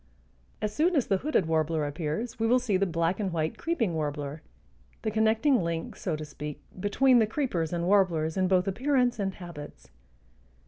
As soon as the hooded warbler appears we will see the black and white creeping warbler, the connecting link (so to speak) between the creepers and warblers in both appearance and habits.